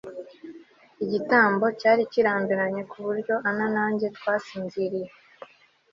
Igitaramo cyari kirambiranye kuburyo Ann na njye twasinziriye